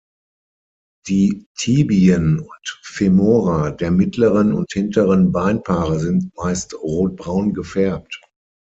Die Tibien und Femora der mittleren und hinteren Beinpaare sind meist rotbraun gefärbt.